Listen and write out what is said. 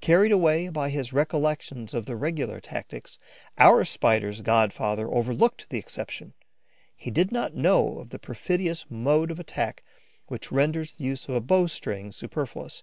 Carried away by his recollection of the regular tactics, our Spider's godfather overlooked the exception; he did not know of the perfidious mode of attack which renders the use of a bow string superfluous.